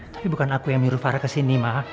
tapi bukan aku yang mirip farah kesini ma